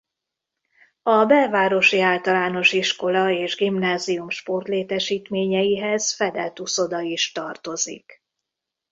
A Belvárosi Általános Iskola és Gimnázium sportlétesítményeihez fedett uszoda is tartozik.